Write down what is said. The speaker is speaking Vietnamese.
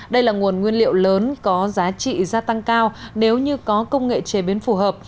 đây là nguồn nguyên liệu lớn có giá trị gia tăng cao nếu như có công nghệ chế biến phù hợp